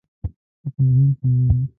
په کابل کې وم.